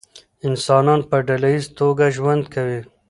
انسانان په ډله ایزه توګه ژوند کوي.